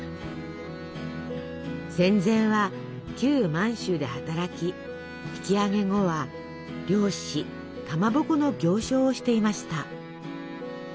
戦前は旧満州で働き引き揚げ後は漁師かまぼこの行商をしていました。